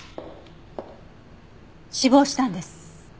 死亡したんです。